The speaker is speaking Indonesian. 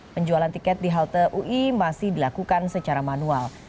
penjualan tiket di halte ui masih dilakukan secara manual